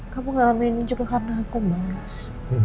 kamu ngalamin juga karena aku mas